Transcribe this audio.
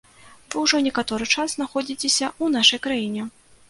Вы ўжо некаторы час знаходзіцеся ў нашай краіне.